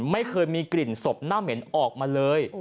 ไม่เคยมีกลิ่นศพหน้าเหม็นออกมาเลย